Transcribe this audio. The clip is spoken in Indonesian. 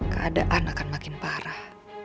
keadaan akan makin parah